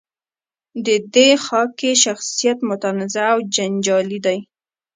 د دې خاکې شخصیت متنازعه او جنجالي دی.